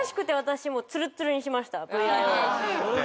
私。